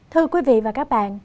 thưa quý vị và các bạn